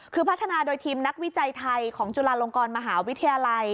คือพัฒนาโดยทีมนักวิจัยไทยของจุฬาลงกรมหาวิทยาลัย